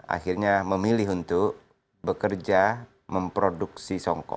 akhirnya memilih untuk bekerja memproduksi songkok